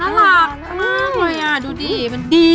น่ารักมากเลยอ่ะดูดี